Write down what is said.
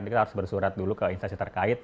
kita harus bersurat dulu ke instansi terkait